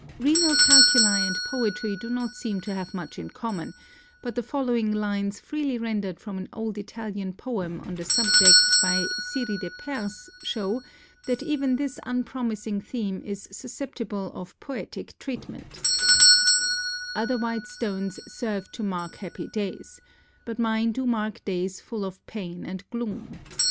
Renal calculi and poetry do not seem to have much in common, but the following lines freely rendered from an old Italian poem on the subject by Ciri de Pers show that even this unpromising theme is susceptible of poetic treatment: "Other white stones serve to mark happy days, But mine do mark days full of pain and gloom.